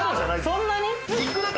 そんなに？